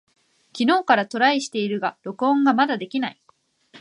昨日からトライしているが録音がまだできない。